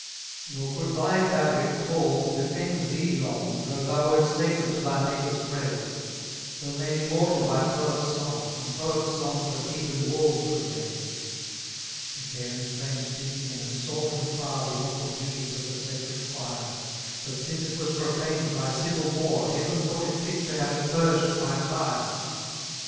275 Nor could thy fabric, Paul's, defend thee long, Though thou wert sacred to thy Maker's praise: Though made immortal by a poet's song; And poets' songs the Theban walls could raise. 276 The daring flames peep'd in, and saw from far The awful beauties of the sacred quire: But since it was profaned by civil war, Heaven thought it fit to have it purged by fire.